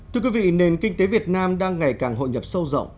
thưa quý vị nền kinh tế việt nam đang ngày càng hội nhập sâu rộng